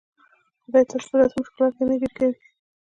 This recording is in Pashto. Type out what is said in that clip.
خدای تاسو په داسې مشکلاتو کې نه ګیر کوي.